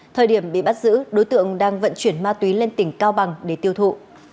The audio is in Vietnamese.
thời điểm bị bắt giữ đối tượng đang vận chuyển ma túy lên tỉnh cao bằng để tiêu thụ